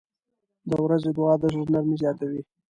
• د ورځې دعا د زړه نرمي زیاتوي.